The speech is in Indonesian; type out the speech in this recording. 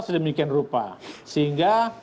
sedemikian rupa sehingga